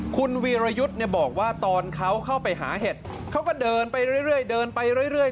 คุณวีรยุทธ์เนี่ยบอกว่าตอนเขาเข้าไปหาเห็ดเขาก็เดินไปเรื่อยเดินไปเรื่อย